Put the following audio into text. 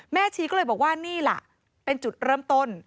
ชีก็เลยบอกว่านี่ล่ะเป็นจุดเริ่มต้น